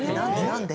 何で？